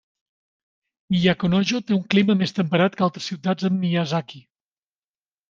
Miyakonojō té un clima més temperat que altres ciutats en Miyazaki.